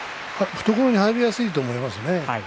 懐に入りやすいと思いますね。